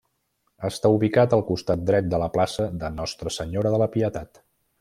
Està ubicat al costat dret de la plaça de Nostra Senyora de la Pietat.